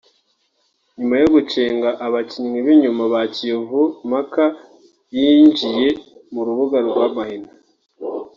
nyuma yo gucenga abakinnyi b’inyuma ba Kiyovu mpaka yinjiye mu rubuga rw’amahina